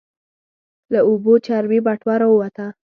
له اوبو چرمي بټوه راووته.